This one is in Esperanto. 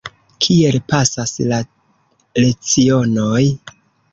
Kiel pasas la lecionoj?